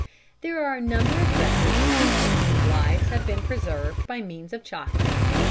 There are a number of records of people whose lives have been preserved by means of chocolate.